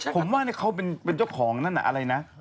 ผมว่าเขาเป็นเจ้าของนั่นน่ะอะไรนะ